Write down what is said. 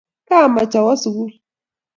kaimech awo sukul